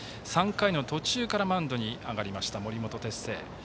３回の途中からマウンドに上がりました森本哲星。